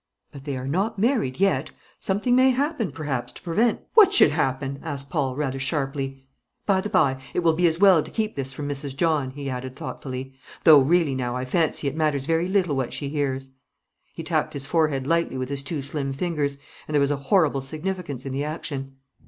"But they are not married yet. Something may happen, perhaps, to prevent " "What should happen?" asked Paul, rather sharply. "By the bye, it will be as well to keep this from Mrs. John," he added, thoughtfully; "though really now I fancy it matters very little what she hears." He tapped his forehead lightly with his two slim fingers, and there was a horrible significance in the action.